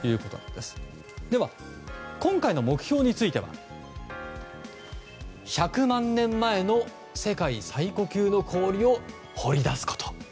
では、今回の目標については１００万年前の世界最古級の氷を掘り出すこと。